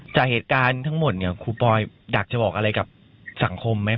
จากเหตุการณ์ทั้งหมดเนี่ยครูปอยอยากจะบอกอะไรกับสังคมไหม